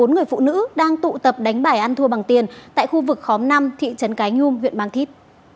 bốn người phụ nữ đang tụ tập đánh bài ăn thua bằng tiền tại khu vực khóm năm thị trấn cái nhung huyện mang thít